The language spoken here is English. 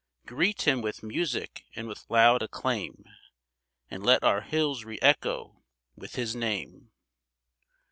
Greet him with music and with loud acclaim, And let our hills re echo with his name.